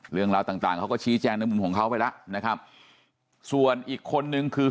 เรื่องราวต่างต่างเขาก็ชี้แจงในมุมของเขาไปแล้วนะครับส่วนอีกคนนึงคือ